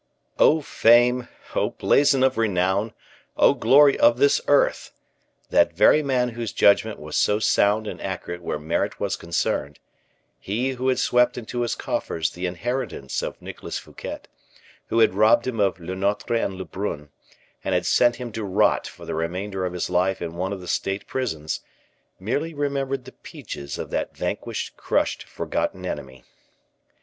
Oh, fame! Oh, blazon of renown! Oh, glory of this earth! That very man whose judgment was so sound and accurate where merit was concerned he who had swept into his coffers the inheritance of Nicholas Fouquet, who had robbed him of Lenotre and Lebrun, and had sent him to rot for the remainder of his life in one of the state prisons merely remembered the peaches of that vanquished, crushed, forgotten enemy!